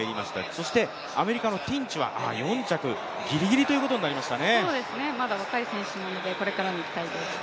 そしてアメリカのティンチは４着、ギリギリということになりました